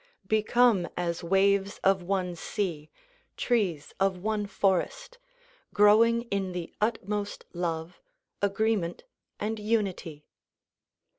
Become as waves of one sea, trees of one forest, growing in the utmost love, agreement and unity.